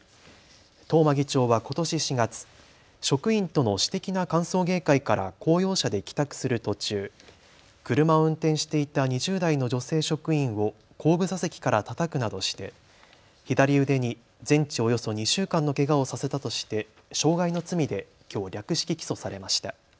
東間議長はことし４月、職員との私的な歓送迎会から公用車で帰宅する途中、車を運転していた２０代の女性職員を後部座席からたたくなどして左腕に全治およそ２週間のけがをさせたとして傷害の罪できょう略式起訴されました。